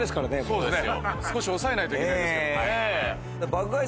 少し抑えないといけないんですけども。